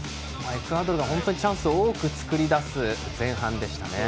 エクアドルは本当にチャンスを多く作り出す前半でしたね。